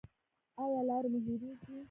ایا لارې مو هیریږي؟